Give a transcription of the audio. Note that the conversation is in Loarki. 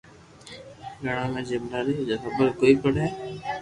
گھِڙا ھي جي جملئ ري خبر ڪوئي پڙي ھي